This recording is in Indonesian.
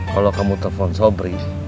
kalau kamu telepon sobri